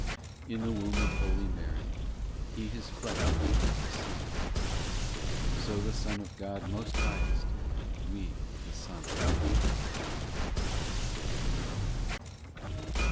v In the womb of Holy Mary He His flesh did then receive : So the Son of God Most Highest We the Son of Man believe.